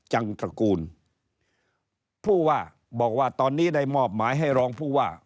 จังตระกูลผู้ว่าบอกว่าตอนนี้ได้มอบหมายให้รองผู้ว่า